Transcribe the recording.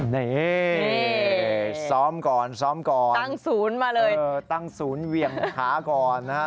นี่ซ้อมก่อนซ้อมก่อนตั้งศูนย์มาเลยตั้งศูนย์เหวี่ยงขาก่อนนะฮะ